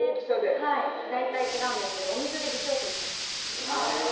はい大体違うんですけどお水で微調整してますへえ